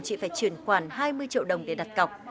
chị phải chuyển khoản hai mươi triệu đồng để đặt cọc